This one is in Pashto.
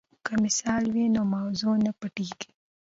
که مثال وي نو موضوع نه پټیږي.